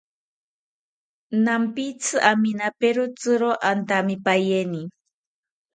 Nampitzi aminaperotziro antamipaeni